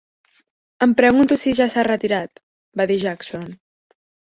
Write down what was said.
"Em pregunto si ja s'ha retirat", va dir Jackson.